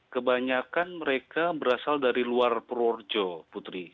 kebanyakan mereka berasal dari luar purworejo putri